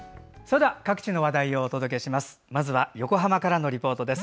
では、各地の話題をお届けします。